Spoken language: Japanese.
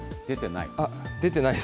出てない。